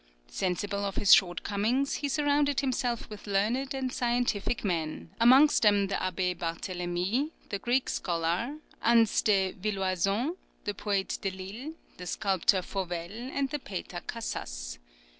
Sensible of his shortcomings, he surrounded himself with learned and scientific men, amongst them the Abbé Barthélemy, the Greek scholar, Ansse de Villoison, the poet Delille, the sculptor Fauvel, and the painter Cassas.